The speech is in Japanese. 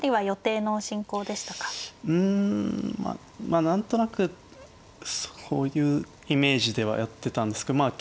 あ何となくそういうイメージではやってたんですけどまあ